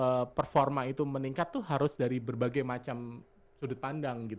sebuah performance itu meningkat tuh harus dari berbagai macam sudut pandang gitu